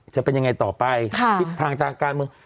จะเป็นยังไงต่อไปทิศทางทางการเมือง